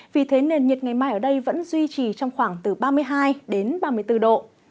vì thế nền nhiệt ngày mai ở đây vẫn duy trì trong khoảng từ ba mươi hai đến ba mươi bốn độ